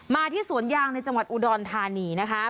มาที่สวนยางในจังหวัดอุดรธานีนะคะ